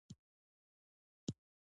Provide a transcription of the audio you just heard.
بادام د افغانانو د معیشت سرچینه ده.